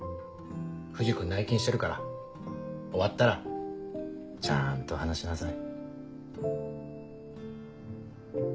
藤君内勤してるから終わったらちゃんと話しなさい。